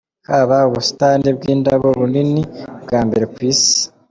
Haba ubusitani bw’indabo bunini bwa mbere ku isi.